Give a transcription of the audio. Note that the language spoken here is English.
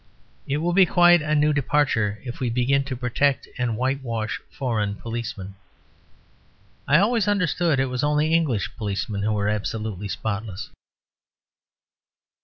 It will be quite a new departure if we begin to protect and whitewash foreign policemen. I always understood it was only English policemen who were absolutely spotless.